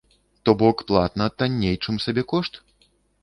То бок платна танней, чым сабекошт?